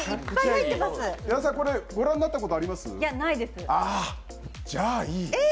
これ、ご覧になったことありますか？